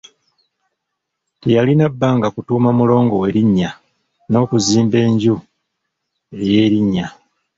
Teyalina bbanga kutuuma mulongo we linnya, n'okuzimbaenju ey'erinnya.